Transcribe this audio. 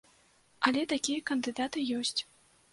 Але такія кандыдаты ёсць.